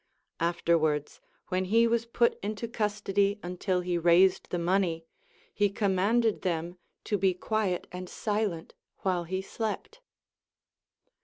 Afterwards, when he was put into custody until he raised the money, he commanded them to be quiet and silent Avhile he slept.